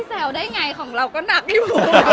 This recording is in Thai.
แซวได้ไงของเราก็หนักอยู่